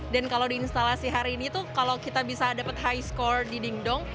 dan kalau di instalasi hari ini tuh kalau kita bisa dapat high score di dingdong